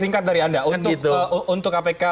singkat dari anda untuk kpk